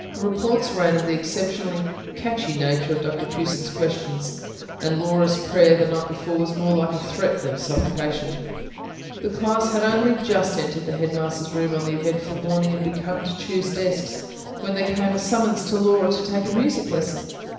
Reports ran of the exceptionally "catchy" nature of Dr Pughson's questions; and Laura's prayer, the night before, was more like a threat than a supplication. The class had only just entered the Headmaster's room on the eventful morning, and begun to choose desks, when there came a summons to Laura to take a music lesson.